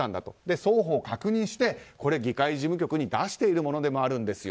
双方確認して議会事務局に出しているものでもあるんですよ。